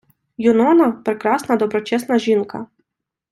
Юнона — прекрасна, доброчесна жінка